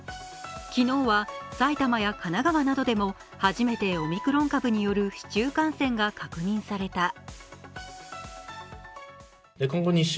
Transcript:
昨日は埼玉や神奈川などでも初めてオミクロン株による市中感染が確認された。